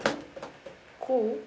こう？